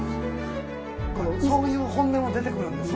そういう本音が出てくるんですね。